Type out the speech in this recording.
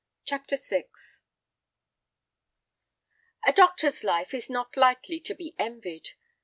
CHAPTER VI A doctor's life is not lightly to be envied.